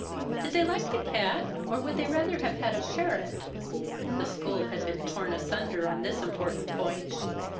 "Did they like the cat, or would they rather have had a parrot?" (The school had been torn asunder on this important point.)